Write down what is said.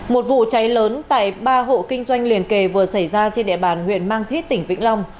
một vụ cháy lớn tại ba hộ kinh doanh liền kề vừa xảy ra trên địa bàn huyện mang thít tỉnh vĩnh long